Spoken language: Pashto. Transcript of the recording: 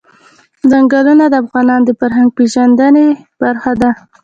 ځنګلونه د افغانانو د فرهنګي پیژندنې برخه ده.